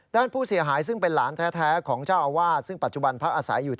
ด้านผู้เสียหายซึ่งเป็นหลานแท้ของเจ้าอาวาส